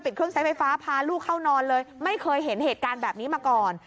เครื่องใช้ไฟฟ้าพาลูกเข้านอนเลยไม่เคยเห็นเหตุการณ์แบบนี้มาก่อน